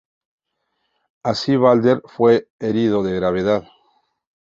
Así Balder fue herido de gravedad.